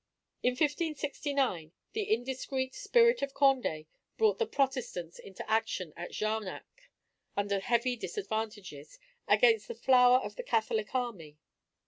In 1569, the indiscreet spirit of Condé brought the Protestants into action at Jarnac, under heavy disadvantages, against the flower of the Catholic army.